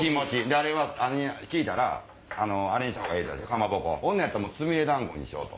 あれは聞いたらあれにしたほうがええかまぼこほんならつみれ団子にしようと。